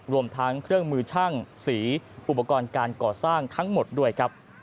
รวมทั้งเครื่องมือช่างสีอุปกรณ์การก่อสร้างทั้งหมดด้วยครับ